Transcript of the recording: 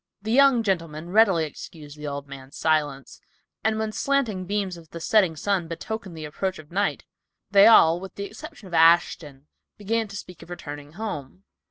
The young gentlemen readily excused the old man's silence, and when the slanting beams of the setting sun betokened the approach of night, they all, with the exception of Ashton, began to speak of returning home.